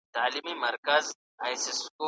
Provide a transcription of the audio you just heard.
هغه سړی په خپل کار کي هیڅکله ستړی نه کېږي.